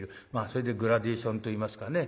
それでグラデーションといいますかね。